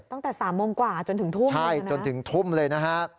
ตั้งแต่สามโมงกว่าจนถึงทุ่มใช่จนถึงทุ่มเลยนะฮะ